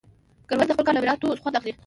کروندګر د خپل کار له ثمراتو خوند اخلي